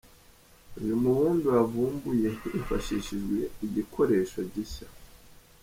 Uyu mubumbe wavumbuye hifashishijwe igikoresho gishya.